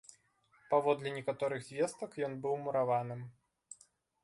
Паводле некаторых звестак, ён быў мураваным.